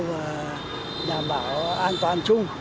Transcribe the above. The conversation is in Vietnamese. và đảm bảo an toàn chung